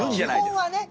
基本はね。